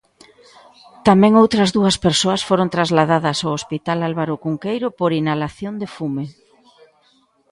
Tamén outras dúas persoas foron trasladadas ao Hospital Álvaro Cunqueiro por inhalación de fume.